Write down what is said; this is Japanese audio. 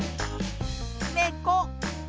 ねこ。